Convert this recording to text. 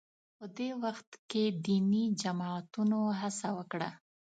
په دې وخت کې دیني جماعتونو هڅه وکړه